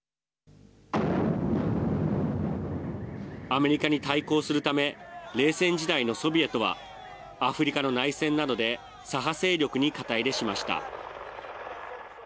アメリカに対抗するため冷戦時代のソビエトはアフリカの内戦などで左派勢力に肩入れしました。